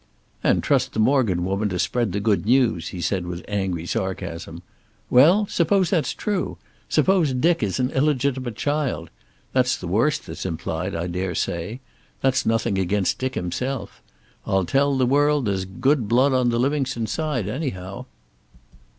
"And trust the Morgan woman to spread the good news," he said with angry sarcasm. "Well, suppose that's true? Suppose Dick is an illegitimate child? That's the worst that's implied, I daresay. That's nothing against Dick himself. I'll tell the world there's good blood on the Livingstone side, anyhow."